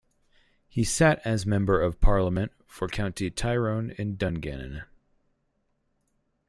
He sat as Member of Parliament for County Tyrone and Dungannon.